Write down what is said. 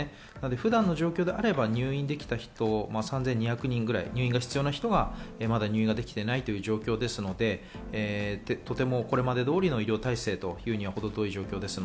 普段の状況であれば入院できた人、３２００人ぐらい入院が必要な人がまだ入院できていない状況ですので、とてもこれまで通りの医療体制にはほど遠い状況です。